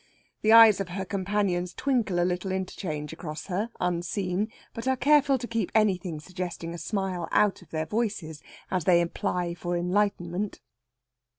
The eyes of her companions twinkle a little interchange across her unseen, but are careful to keep anything suggesting a smile out of their voices as they apply for enlightenment.